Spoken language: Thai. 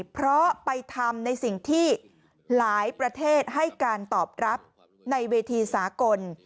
เพราะไปทำในสิ่งที่หลายประเทศให้การตอบรับในเวทีสากล